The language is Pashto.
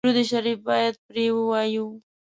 درود شریف باید پرې ووایو.